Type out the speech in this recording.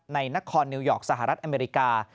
ในนครนิวยอร์กสหรัฐอเมริกา